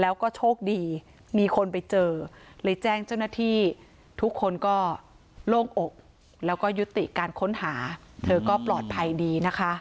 แล้วก็โชคดีมีคนไปเจอเลยแจ้งเจ้าหน้าที่ทุกคนก็โล่งอกแล้วก็ยุติการค้นหาเธอก็ปลอดภัยดีนะคะ